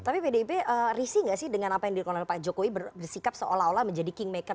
tapi pdip risih gak sih dengan apa yang dilakukan oleh pak jokowi bersikap seolah olah menjadi kingmaker